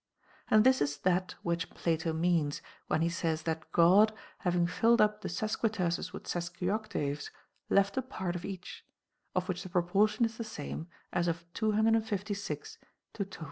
And this is that which Plato means, when he says, that God, having filled up the sesquiterces with ses quioctaves, left a part of each ; of which the proportion is the same as of 256 to 243.